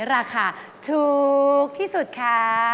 ราคาถูกที่สุดค่ะ